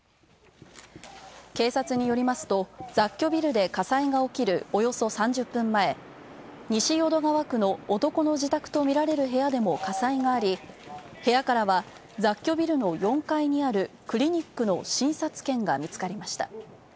警察によりますと雑居ビルで火災が起きるおよそ３０分前、西淀川区の男の自宅とみられる部屋でも火災があり、部屋からは雑居ビルの４階にあるクリニックの診察券が見つかりました。